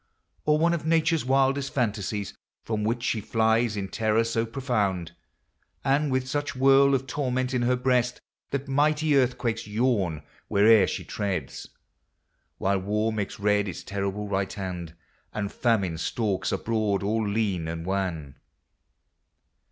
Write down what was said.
Or one of Nature's wildest fantasies, From which she flies in terror so profound, And with such whirl of torment in her breast, That mighty earthquakes yawn where'er she treads; While War makes red its terrible right hand, And Famine stalks abroad all lean and wan